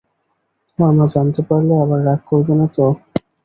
তোমার মা জানতে পারলে আবার রাগ করবেন না তো?